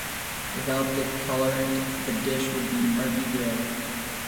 Without the colourant the dish would be murky grey.